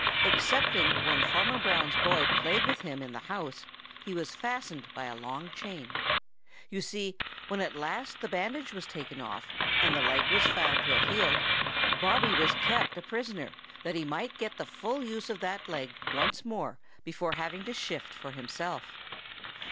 Excepting when Farmer Brown's boy played with him in the house, he was fastened by a long chain. You see, when at last the bandage was taken off, and the leg was found to have healed, Bobby was kept a prisoner that he might get the full use of that leg once more before having to shift for himself.